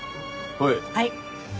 はい。